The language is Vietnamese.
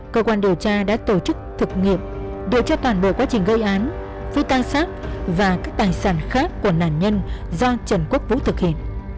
cơ quan điều tra đã tổ chức thực nghiệm đổi cho toàn bộ quá trình gây án phương tăng sát và các tài sản khác của nạn nhân do trần quốc vũ thực hiện